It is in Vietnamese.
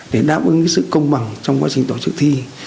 để đáp ứng sự công bằng trong quá trình tổ chức thi